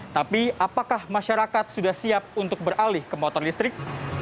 tapi apakah masyarakat sudah siap untuk beralih ke motor listrik